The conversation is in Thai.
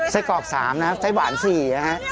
ไส้กรอก๓นะครับไส้หวาน๔นะครับ